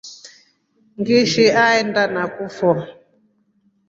Ngiishi aenda nakufo.